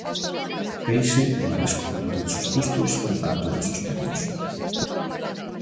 Peixe e marisco para todos os gustos e para todos os petos.